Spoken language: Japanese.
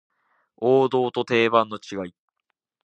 王道と定番の違い